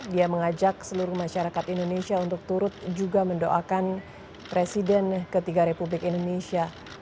dia mengajak seluruh masyarakat indonesia untuk turut juga mendoakan presiden ketiga republik indonesia